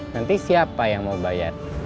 nanti siapa yang mau bayar